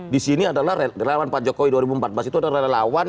di sini adalah relawan pak jokowi dua ribu empat belas itu adalah relawan